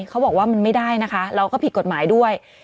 เขาบอกว่ามันไม่ได้นะคะเราก็ผิดกฎหมายด้วย